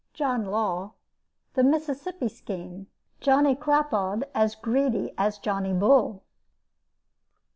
JOHN LAW. THE MISSISSIPPI SCHEME. JOHNNY CRAPAUD AS GREEDY AS JOHNNY BULL.